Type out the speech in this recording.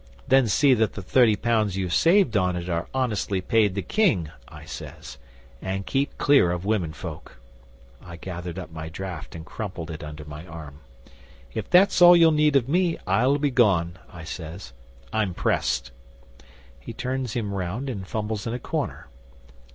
'"Then see that the thirty pounds you've saved on it are honestly paid the King," I says, "and keep clear o' women folk." I gathered up my draft and crumpled it under my arm. "If that's all you need of me I'll be gone," I says. "I'm pressed." 'He turns him round and fumbles in a corner.